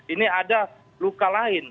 ini ada luka lain